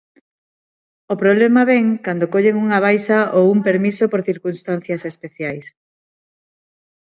O problema vén cando collen unha baixa ou un permiso por circunstancias especiais.